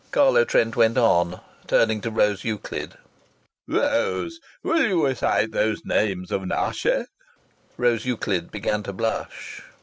Carlo Trent went on, turning to Rose Euclid: "Rose, will you recite those lines of Nashe?" Rose Euclid began to blush.